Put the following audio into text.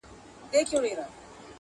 بس یو تروم یې وو په غاړه ځړولی -